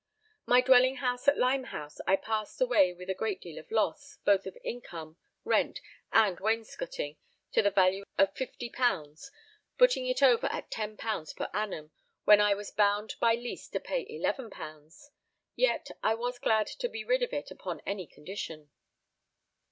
My dwelling house at Limehouse I passed away with a great deal of loss, both of income, rent and wainscotting to the value of 50_l._, putting it over at 10_l._ per annum, when I was bound by lease to pay 11_l._ Yet was I glad to be rid of it upon any condition.